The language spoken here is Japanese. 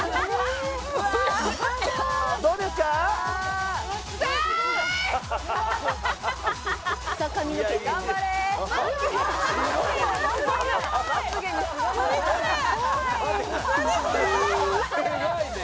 すごいね。